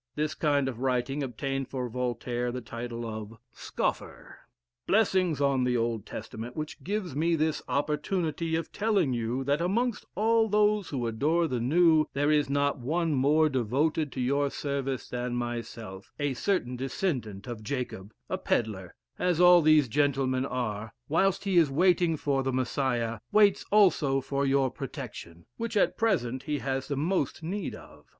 This kind of writing obtained for Voltaire the title of "scoffer:" "Blessings on the Old Testament, which gives me this opportunity of telling you, that amongst all those who adore the New, there is not one more devoted to your service than myself, a certain descendant of Jacob, a pedlar, as all these gentlemen are, whilst he is waiting for the Messiah, waits also for your protection, which at present he has the most need of.